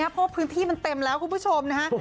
เพราะพื้นที่มันเต็มแล้วคุณผู้ชมนะฮะ